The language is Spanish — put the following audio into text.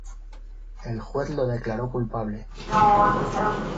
El juez lo declaró culpable.